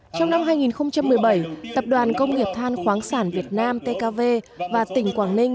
trong năm hai nghìn một mươi bảy tập đoàn công nghiệp than khoáng sản việt nam tkv và tỉnh quảng ninh